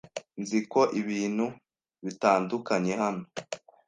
Nzi ko ibintu bitandukanye hano.